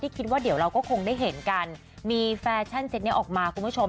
คิดว่าเดี๋ยวเราก็คงได้เห็นกันมีแฟชั่นเต็ตนี้ออกมาคุณผู้ชม